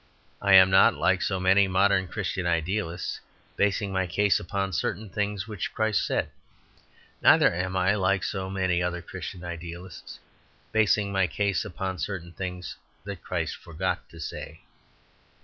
I am not, like so many modern Christian idealists, basing my case upon certain things which Christ said. Neither am I, like so many other Christian idealists, basing my case upon certain things that Christ forgot to say.